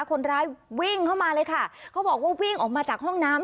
คนร้ายวิ่งเข้ามาเลยค่ะเขาบอกว่าวิ่งออกมาจากห้องน้ำ